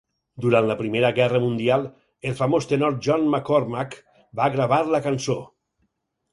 Durant la Primera Guerra Mundial el famós tenor John McCormack va gravar la cançó.